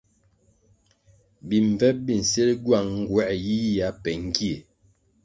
Bimbvep bi nsil gywang nğuer yiyia be ngie.